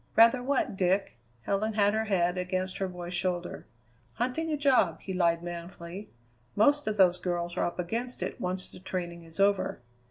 "Rather what, Dick?" Helen had her head against her boy's shoulder. "Hunting a job," he lied manfully. "Most of those girls are up against it once the training is over."